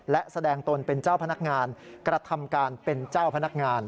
และแสดงตนเป็นเจ้าพนักงานกระทำการเป็นเจ้าพนักงาน